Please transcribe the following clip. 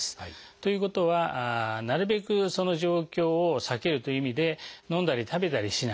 ということはなるべくその状況を避けるという意味で飲んだり食べたりしない。